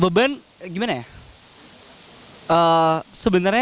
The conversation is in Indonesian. beban gimana ya